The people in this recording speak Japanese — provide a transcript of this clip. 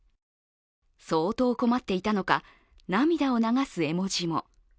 相当困っていたのか涙を流す絵文字も。